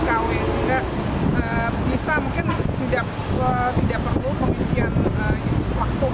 kw sehingga bisa mungkin tidak perlu pengisian waktu